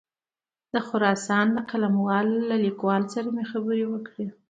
د خراسان د قلموال له لیکوال سره مې خبرې وکړې.